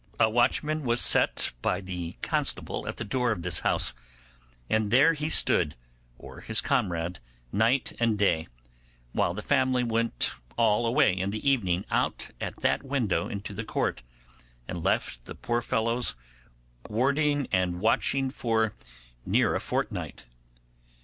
A watchman was set by the constable at the door of this house, and there he stood, or his comrade, night and day, while the family went all away in the evening out at that window into the court, and left the poor fellows warding and watching for near a fortnight.